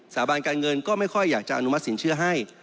สาบานการเงินก็ไม่ค่อยอยากจะอนุมัติสินเชื่อให้